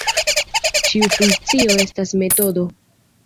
Ĉiu funkcio estas metodo.